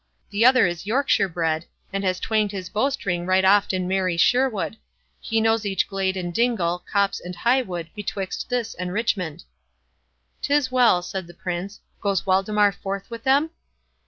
The other is Yorkshire bred, and has twanged his bowstring right oft in merry Sherwood; he knows each glade and dingle, copse and high wood, betwixt this and Richmond." "'Tis well," said the Prince.—"Goes Waldemar forth with them?"